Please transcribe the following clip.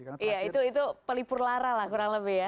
iya itu pelipur lara lah kurang lebih ya